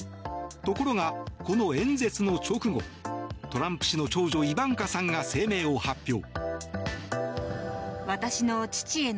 ところが、この演説の直後トランプ氏の長女イバンカさんが声明を発表。